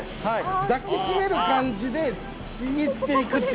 抱き締める感じでちぎっていくっていう。